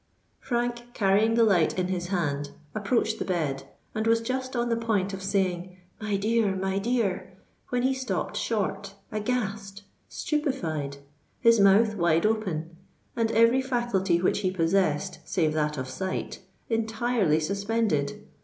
Frank, carrying the light in his hand, approached the bed, and was just on the point of saying, "My dear—my dear!"—when he stopped short—aghast—stupefied—his mouth wide open—and every faculty which he possessed, save that of sight, entirely suspended.